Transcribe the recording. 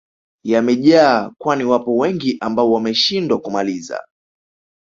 yamejaa kwani wapo wengi ambao wameshindwa kumaliza